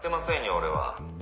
俺は」